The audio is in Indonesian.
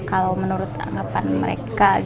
kalau menurut anggapan mereka